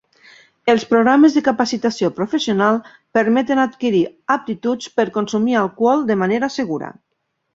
Els programes de capacitació professional permeten adquirir aptituds per consumir alcohol de manera segura.